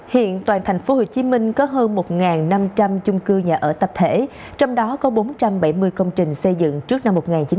hiện toàn tp hcm có hơn một năm trăm linh chung cư nhà ở tập thể trong đó có bốn trăm bảy mươi công trình xây dựng trước năm một nghìn chín trăm bảy mươi